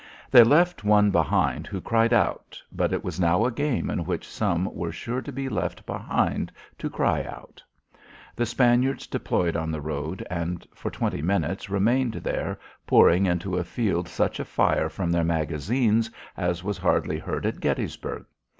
They left one behind who cried out, but it was now a game in which some were sure to be left behind to cry out. The Spaniards deployed on the road and for twenty minutes remained there pouring into the field such a fire from their magazines as was hardly heard at Gettysburg.